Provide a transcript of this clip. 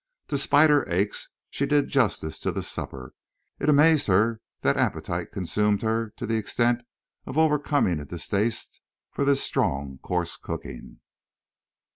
Despite her aches, she did justice to the supper. It amazed her that appetite consumed her to the extent of overcoming a distaste for this strong, coarse cooking.